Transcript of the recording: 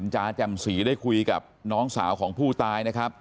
จ๋าแจ่มสีได้คุยกับน้องสาวของผู้ตายนะครับ